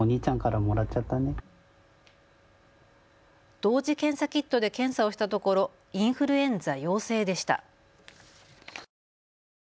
同時検査キットで検査をしたところインフルエンザ陽性でした。